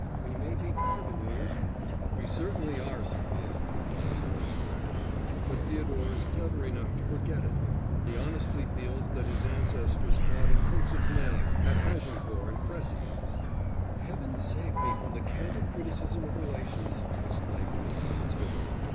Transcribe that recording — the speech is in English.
We may be parvenus...." "We certainly are, Sophia," cried Lord Spratte. "But Theodore is clever enough to forget it. He honestly feels that his ancestors fought in coats of mail at Agincourt and Crecy." "Heaven save me from the candid criticism of relations," exclaimed Mrs. Fitzherbert.